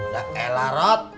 ya elah rod